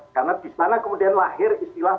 karena disana kemudian lahir istilah